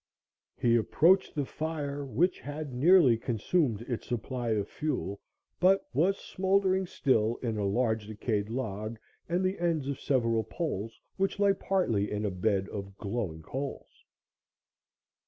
He approached the fire, which had nearly consumed its supply of fuel, but was smouldering still in a large decayed log and the ends of several poles which lay partly in a bed of glowing coals.